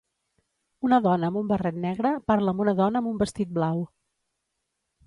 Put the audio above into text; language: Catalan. Una dona amb un barret negre parla amb una dona amb un vestit blau.